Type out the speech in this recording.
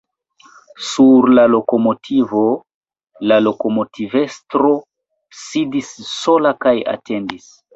Sur la lokomotivo la lokomotivestro sidis sola kaj atendis.